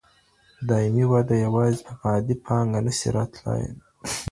دايمي وده یوازي په مادي پانګه نسي راتلای.